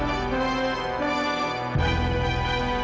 was weekend ini sudah sangat jauh